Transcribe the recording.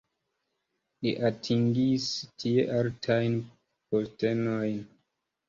Li atingis tie altajn postenojn.